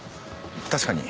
確かに。